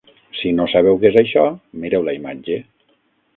Si no sabeu què és això, mireu la imatge.